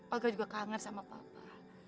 olga juga kangen sama papa